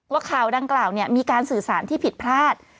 ว่าข่าวดังกล่าวมีการสื่อสารที่ผิดพลาด